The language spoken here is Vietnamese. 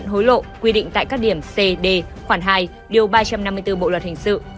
nhận hối lộ quy định tại các điểm c d khoảng hai ba trăm năm mươi bốn bộ luật hình sự